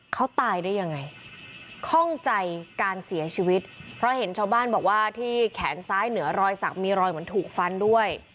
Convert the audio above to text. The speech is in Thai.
เขาตายได้ยังไงข้องใจการเสียชีวิตเพราะเห็นชาวบ้านบอกว่าที่แขนซ้ายเหนือรอยสักมีรอยเหมือนถูกฟันด้วย